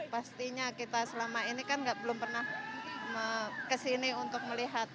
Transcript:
pastinya kita selama ini kan belum pernah kesini untuk melihat